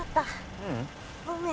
ううんごめん